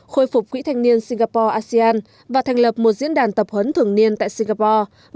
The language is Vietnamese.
khôi phục quỹ thanh niên singapore asean và thành lập một diễn đàn tập huấn thường niên tại singapore